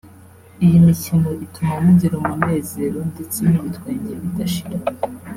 iyi mikino ituma mugira umunezero ndetse n’ibitwenge bidashira